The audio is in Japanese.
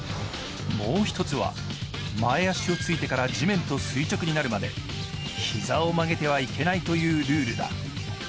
もう一つは、前足をついてから地面と垂直になるまで膝を曲げてはいけないというルールだ。